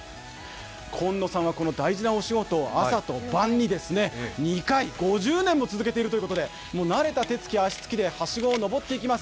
今野さんはこの大事なお仕事を朝と晩の２回、５０年も続けているということで慣れた手つき、足つきではしごを上っていきます。